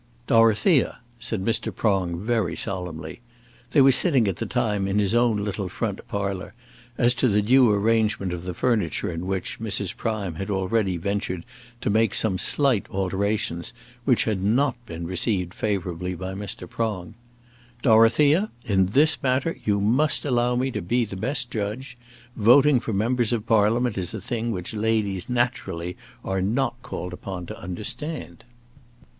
"Dorothea," said Mr. Prong very solemnly; they were sitting at the time in his own little front parlour, as to the due arrangement of the furniture in which Mrs. Prime had already ventured to make some slight alterations which had not been received favourably by Mr. Prong, "Dorothea, in this matter you must allow me to be the best judge. Voting for Members of Parliament is a thing which ladies naturally are not called upon to understand."